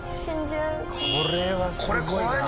これはすごいな。